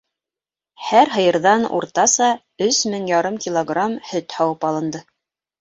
Һәр һыйырҙан уртаса өс мең ярым килограмм һөт һауып алынды.